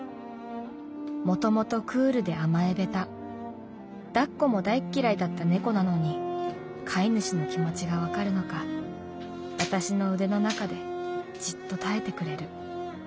もともとクールで甘え下手抱っこも大きらいだった猫なのに飼い主の気持ちがわかるのか私の腕の中でじっと耐えてくれる。